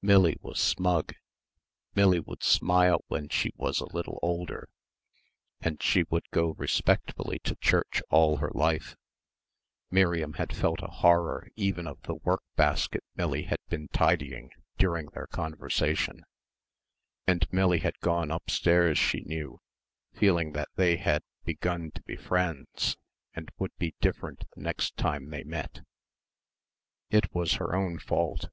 Millie was smug. Millie would smile when she was a little older and she would go respectfully to church all her life Miriam had felt a horror even of the work basket Millie had been tidying during their conversation and Millie had gone upstairs, she knew, feeling that they had "begun to be friends" and would be different the next time they met. It was her own fault.